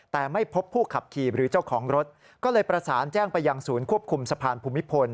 แต่ไม่พบผู้ขับขี่หรือเจ้าของรถก็เลยประสานแจ้งไปยังศูนย์ควบคุมสะพานภูมิพล